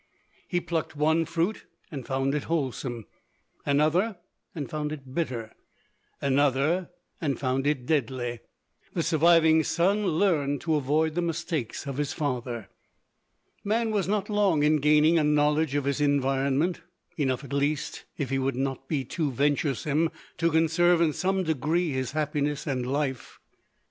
He plucked one fruit and found it wholesome; another, and found it bitter; another, and found it deadly. The surviving son learned to avoid the mistakes of his father. Man was not long in gaining a knowledge of his environment, enough at least, if he would not be too venturesome, to conserve in some degree his happiness and life.